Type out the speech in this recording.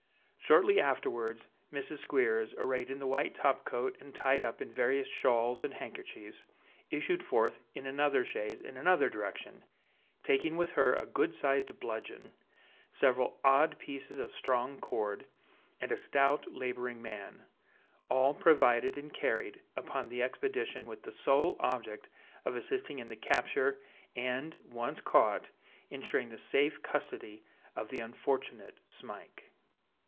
Shortly afterwards, Mrs. Squeers, arrayed in the white topcoat and tied up in various shawls and handkerchiefs, issued forth in another chaise in another direction, taking with her a good sized bludgeon, several odd pieces of strong cord, and a stout labouring man; all provided and carried upon the expedition with the sole object of assisting in the capture, and (once caught) insuring the safe custody of the unfortunate Smike.